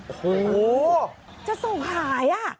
โอ้โหจะส่งขาย